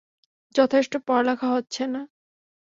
যথেষ্ট পড়ালেখা হচ্ছেনা।